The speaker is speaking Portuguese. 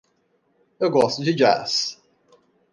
Eu gosto de jazz.